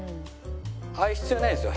あれ必要ないですよ。